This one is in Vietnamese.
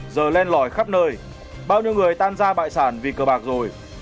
giờ lên lòi khắp nơi bao nhiêu người tan ra bại sản vì cờ bạc rồi